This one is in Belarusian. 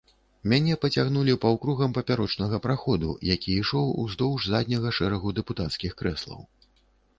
Мяне пацягнулі паўкругам папярочнага праходу, які ішоў уздоўж задняга шэрагу дэпутацкіх крэслаў.